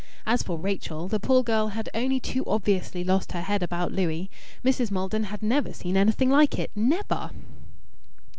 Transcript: As for Rachel, the poor girl had only too obviously lost her head about Louis. Mrs. Maldon had never seen anything like it, never!